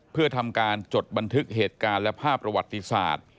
เพื่อทำการจดบันทึกเหตุการณ์และภาพประวัติศาสตร์